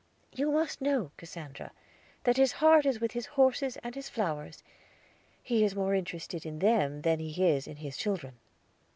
"You must know, Cassandra, that his heart is with his horses and his flowers. He is more interested in them than he is in his children."